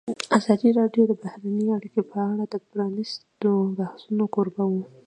ازادي راډیو د بهرنۍ اړیکې په اړه د پرانیستو بحثونو کوربه وه.